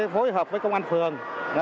phối hợp với công an phường